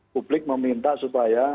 publik meminta supaya